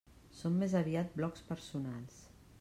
Són més aviat blocs personals.